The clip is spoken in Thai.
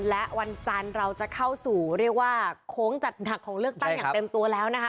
และวันจันทร์เราจะเข้าสู่เรียกว่าโค้งจัดหนักของเลือกตั้งอย่างเต็มตัวแล้วนะคะ